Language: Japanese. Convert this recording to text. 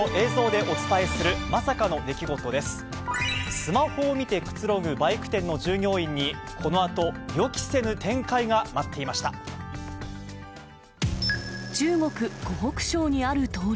スマホを見てくつろぐバイク店の従業員に、このあと、中国・湖北省にある通り。